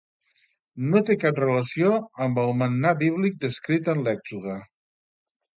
No té cap relació amb el mannà bíblic descrit en l'Èxode.